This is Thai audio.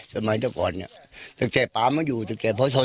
สมัยตื่อก่อนเนี่ยจัดแจดับปนมาอยู่จัดแจดับ๘๕